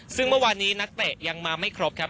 ซึ่งเมื่อวานนี้นักเตะยังมาไม่ครบครับ